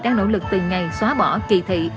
đang nỗ lực từng ngày xóa bỏ kỳ thị